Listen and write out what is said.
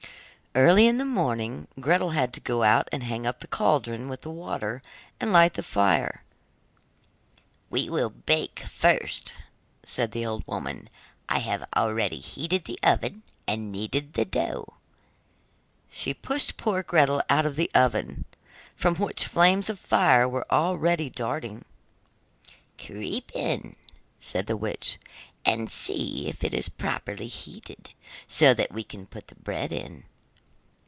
Early in the morning, Gretel had to go out and hang up the cauldron with the water, and light the fire. 'We will bake first,' said the old woman, 'I have already heated the oven, and kneaded the dough.' She pushed poor Gretel out to the oven, from which flames of fire were already darting. 'Creep in,' said the witch, 'and see if it is properly heated, so that we can put the bread in.